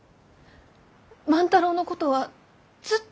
万太郎のことはずっと弟と。